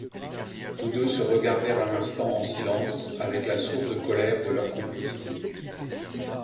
Tous deux se regardèrent un instant en silence, avec la sourde colère de leur complicité.